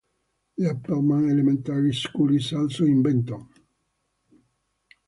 The Appleman Elementary school is also in Benton.